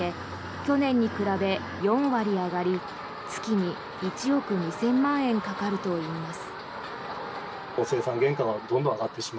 去年に比べ４割上がり月に１億２０００万円かかるといいます。